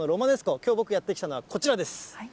きょう僕やって来たのはこちらです。